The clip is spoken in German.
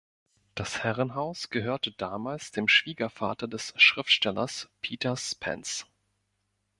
Das Herrenhaus gehörte damals dem Schwiegervater des Schriftstellers Peter Spence.